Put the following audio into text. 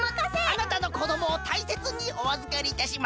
あなたのこどもをたいせつにおあずかりいたします。